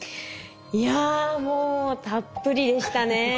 いやもうたっぷりでしたね。